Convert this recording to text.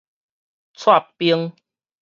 礤冰